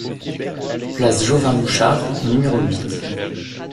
Place Jovin Bouchard au numéro huit